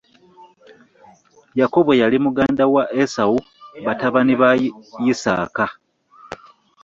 Yakobo yali muganda wa Esawo batabani ba Yisaaka.